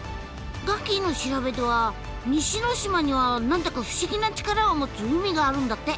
ガキィの調べでは西ノ島には何だか不思議な力を持つ海があるんだって。